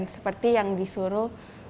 seperti yang disuruh